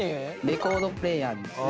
レコードプレーヤーです。